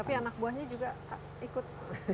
kalau jam delapan juga kak ikut